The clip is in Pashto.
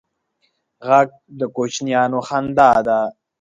غږ د کوچنیانو خندا ده